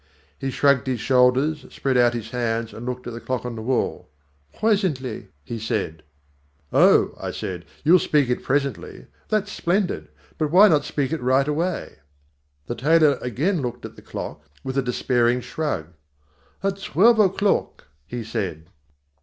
He shrugged his shoulders, spread out his hands and looked at the clock on the wall. "Presently," he said. "Oh," I said, "you'll speak it presently. That's splendid. But why not speak it right away?" The tailor again looked at the clock with a despairing shrug. "At twelve o'clock," he said.